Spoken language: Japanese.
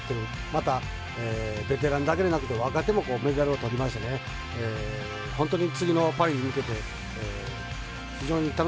また、ベテランだけでなくて若手もメダルをとりまして本当に次のパリに向けて非常に楽しみだと思っております。